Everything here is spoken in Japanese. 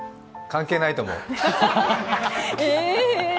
関係ないと思う。